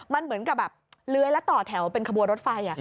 มันเหมือนกับเล้ยแล้วปล่อยต่อแถวเป็นขบัวรถไฟ